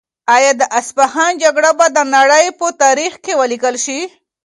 آیا د اصفهان جګړه به د نړۍ په تاریخ کې ولیکل شي؟